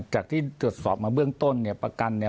จากที่ตรวจสอบมาเบื้องต้นเนี่ยประกันเนี่ย